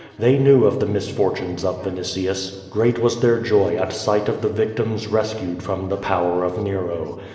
They knew of the misfortunes of Vinitius. Great was their joy at sight of the victims rescued from the power of Nero.